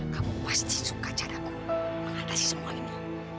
kamu pasti suka caraku mengatasi semua ini